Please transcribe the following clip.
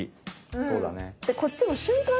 そうだね。